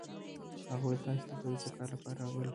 هغه وویل: تاسي دلته د څه کار لپاره راغلئ؟